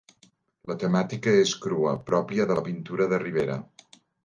La temàtica és crua, pròpia de la pintura de Ribera.